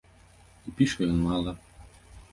І піша ён мала.